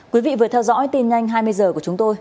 quý vị vừa theo dõi tin nhanh hai mươi h của chúng tôi